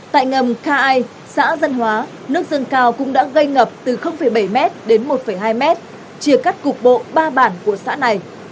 tại ngầm ca ai xã dân hóa nước dâng cao cũng đã gây ngập từ bảy m đến một hai m chia cắt cục bộ ba bản của xã này